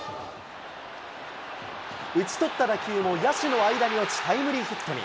打ち取った打球も野手の間に落ち、タイムリーヒットに。